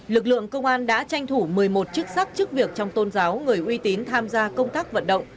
lực lượng công an đã tranh thủ một mươi một chức sắc chức việc trong tôn giáo người uy tín tham gia công tác vận động